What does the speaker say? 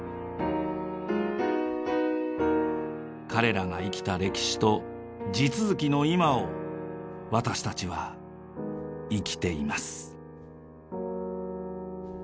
彼らが生きた歴史と地続きの今を私たちは生きています。